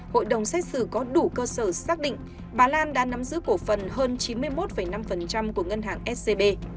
hội đồng xét xử có đủ cơ sở xác định bà lan đã nắm giữ cổ phần hơn chín mươi một năm của ngân hàng scb